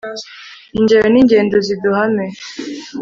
ingero n'ingendo ziduhame